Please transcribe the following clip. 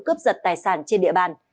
vụ cướp giật tài sản trên địa bàn